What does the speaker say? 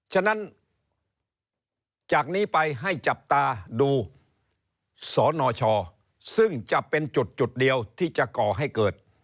ฉะนั้นจากนี้ไปให้จับตาดูสนชซึ่งจะเป็นจุดเดียวที่จะก่อให้เกิด